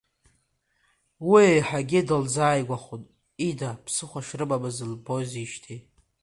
Уи еиҳагьы дылзааигәахон, ида ԥсыхәа шрымамыз лбозижьҭеи.